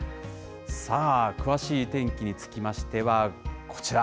さあ、詳しい天気につきましては、こちら。